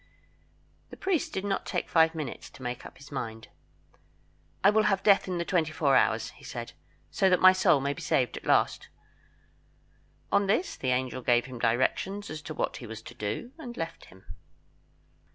The priest did not take five minutes to make up his mind. "I will have death in the twenty four hours," he said, "so that my soul may be saved at last." On this the angel gave him directions as to what he was to do, and left him.